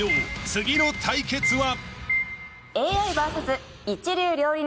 次の対決は］